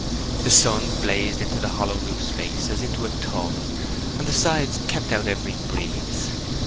The sun blazed into the hollow roof space as into a tub, and the sides kept out every breeze.